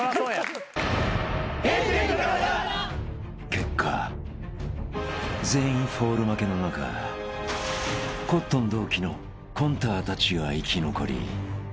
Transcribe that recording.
［結果全員フォール負けの中コットン同期のコンターたちは生き残り］